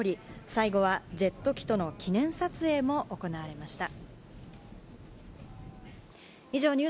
最後はジェット機との記念撮影も行われました。